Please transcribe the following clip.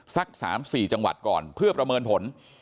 สัก๓๔จังหวัดก่อนเพื่อประเมินผล